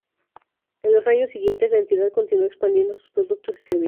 En los años siguientes, la entidad continuó expandiendo sus productos y servicios.